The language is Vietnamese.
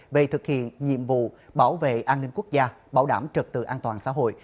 về thực hiện nhiệm vụ bảo vệ an ninh quốc gia bảo đảm trật tự an toàn xã hội